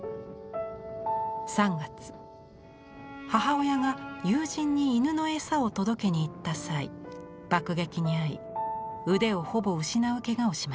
３月母親が友人に犬の餌を届けに行った際爆撃に遭い腕をほぼ失うけがをしました。